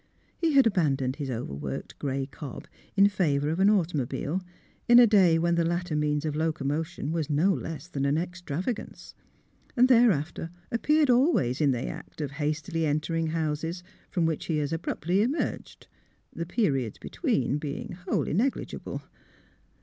He had aban doned his overworked grey cob in favor of an automobile, in a day when the latter means of locomotion w^as no less than an extravagance ; and thereafter appeared always in the act of hastily entering houses, from w^hich he as abruptly emerged; the periods between being wholly neg ligible.